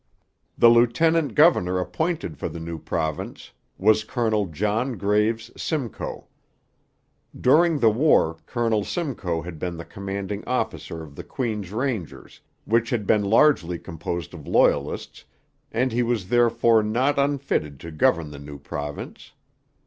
The lieutenant governor appointed for the new province was Colonel John Graves Simcoe. During the war Colonel Simcoe had been the commanding officer of the Queen's Rangers, which had been largely composed of Loyalists, and he was therefore not unfitted to govern the new province.